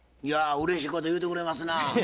いやうれしいこと言うてくれますなぁ。